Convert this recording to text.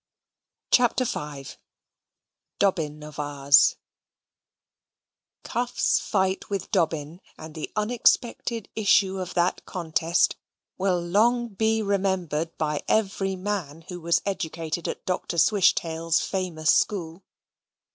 CHAPTER V Dobbin of Ours Cuff's fight with Dobbin, and the unexpected issue of that contest, will long be remembered by every man who was educated at Dr. Swishtail's famous school.